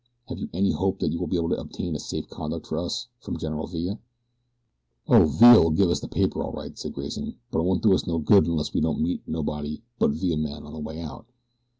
Have you any hope that you will be able to obtain a safe conduct for us from General Villa?" "Oh, Villa'll give us the paper all right," said Grayson; "but it won't do us no good unless we don't meet nobody but Villa's men on the way out.